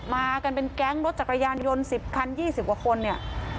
มากันเป็นแก๊งรถจักรยานยนต์๑๐คัน๒๐กว่าคนเนี่ย